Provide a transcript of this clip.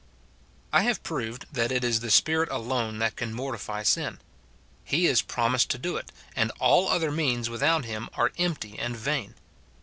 I have proved that it is the Spirit alone that can mor tify sin ; he is promised to do it, and all other means without him are empty and vain.